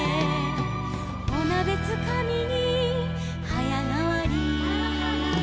「おなべつかみにはやがわり」「」